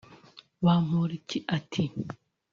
Bamporiki ati